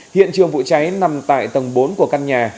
hiện trường vụ cháy nằm tại tầng bốn của căn nhà